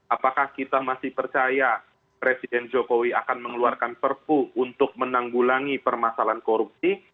apakah kita masih percaya presiden jokowi akan mengeluarkan perpu untuk menanggulangi permasalahan korupsi